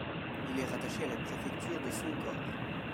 Il est rattaché à la préfecture de Sonqor.